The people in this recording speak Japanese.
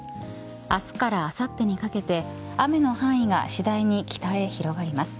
明日からあさってにかけて雨の範囲が次第に北へ広がります。